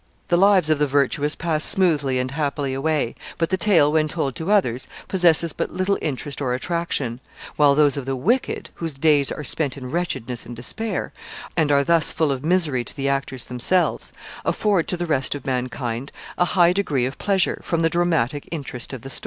The lives of the virtuous pass smoothly and happily away, but the tale, when told to others, possesses but little interest or attraction; while those of the wicked, whose days are spent in wretchedness and despair, and are thus full of misery to the actors themselves, afford to the rest of mankind a high degree of pleasure, from the dramatic interest of the story.